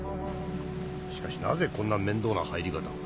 しかしなぜこんな面倒な入り方を？